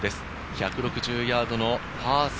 １６０ヤードのパー３。